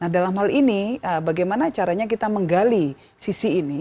dalam hal ini bagaimana caranya kita menggali sisi ini